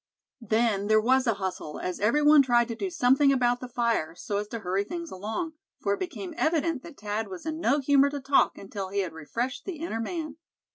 Then there was a hustle, as every one tried to do something about the fire, so as to hurry things along; for it became evident that Thad was in no humor to talk until he had refreshed the inner man.